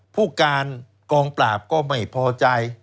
ผู้การกองปราบก็ไม่พอใจ